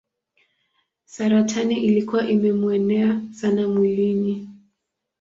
Saratani ilikuwa imemuenea sana mwilini.